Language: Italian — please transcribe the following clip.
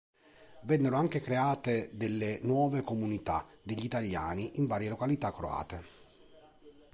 Vennero anche create delle nuove comunità degli italiani in varie località croate.